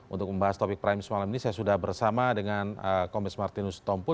untuk membahas topik prime semalam ini saya sudah bersama dengan komis martinus tompul